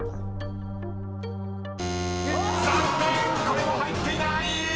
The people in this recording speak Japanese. これも入っていない］